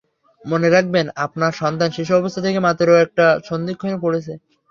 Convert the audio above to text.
মনে রাখবেন, আপনার সন্তান শিশু অবস্থা থেকে মাত্র একটা সন্ধিক্ষণে পড়েছে।